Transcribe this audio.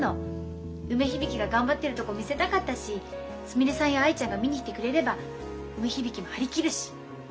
梅響が頑張ってるとこ見せたかったしすみれさんや藍ちゃんが見に来てくれれば梅響も張り切るし。